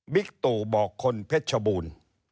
ตู่บอกคนเพชรบูรณ์